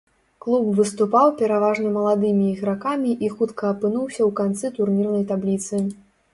Клуб выступаў пераважна маладымі ігракамі і хутка апынуўся ў канцы турнірнай табліцы.